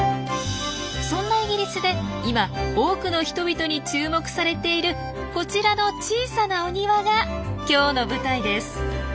そんなイギリスで今多くの人々に注目されているこちらの小さなお庭が今日の舞台です。